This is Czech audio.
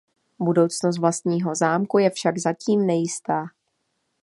Budoucnost vlastního zámku je však zatím nejistá.